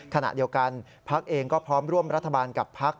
ขณะเดียวกันพักเองก็พร้อมร่วมรัฐบาลกับพัก